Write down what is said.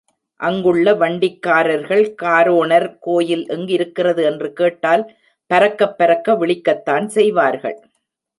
அங்குள்ள வண்டிக்காரர்களிடம் காரோணர் கோயில் எங்கிருக்கிறது என்று கேட்டால் பரக்கப் பரக்க விழிக்கத்தான் செய்வார்கள்.